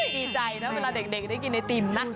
ดีใจนะเวลาเด็กได้กินไอติมนะ